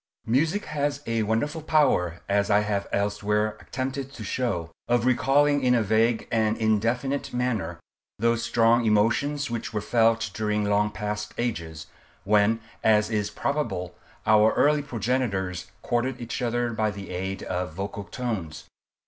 Music has a wonderful power, as I have elsewhere attempted to show, of recalling in a vague and indefinite manner, those strong emotions which were felt during long past ages, when, as is probable, our early progenitors courted each other by the aid of vocal tones.